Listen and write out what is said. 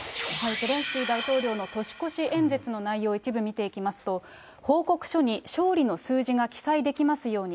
ゼレンスキー大統領の年越し演説の内容を一部見ていきますと、報告書に勝利の数字が記載できますように。